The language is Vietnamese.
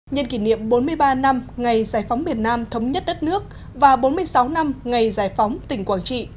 nhân kỷ niệm bốn mươi ba năm ngày giải phóng miền nam thống nhất đất nước và bốn mươi sáu năm ngày giải phóng tỉnh quảng trị